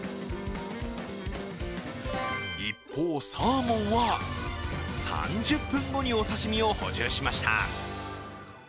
一方、サーモンは３０分後にお刺身を補充しました。